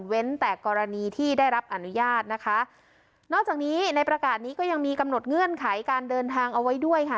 แต่กรณีที่ได้รับอนุญาตนะคะนอกจากนี้ในประกาศนี้ก็ยังมีกำหนดเงื่อนไขการเดินทางเอาไว้ด้วยค่ะ